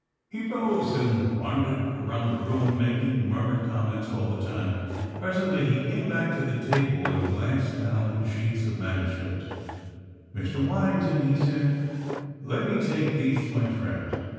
He rose and wandered around the room, making murmured comments all the time. Presently he came back to the table and glanced down at the sheets of manuscript. "Mr. Waddington," he said, "let me take these to my friend.